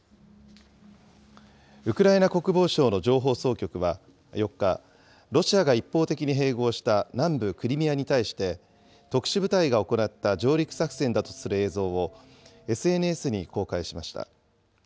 ウクライナ国防省の情報総局は４日、ロシアが一方的に併合した南部クリミアに対して、特殊部隊が行った上陸作戦だとする映像を、ＳＮＳに公開しました。